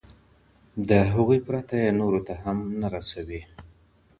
د هغوی پرته ئې نورو ته هم نه رسوي.